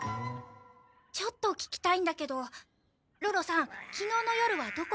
ちょっと聞きたいんだけどろろさん昨日の夜はどこにいたの？